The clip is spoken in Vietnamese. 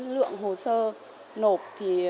lượng hồ sơ nộp